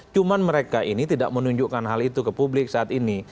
cuma mereka ini tidak menunjukkan hal itu ke publik saat ini